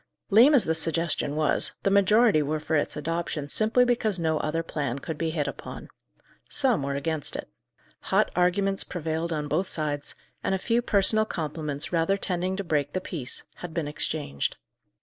Lame as the suggestion was, the majority were for its adoption simply because no other plan could be hit upon. Some were against it. Hot arguments prevailed on both sides, and a few personal compliments rather tending to break the peace, had been exchanged.